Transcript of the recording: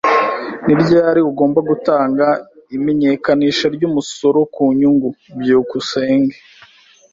Ni ryari ugomba gutanga imenyekanisha ry'umusoro ku nyungu? byukusenge